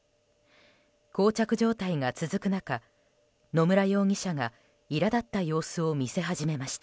膠着状態が続く中野村容疑者がいら立った様子を見せ始めました。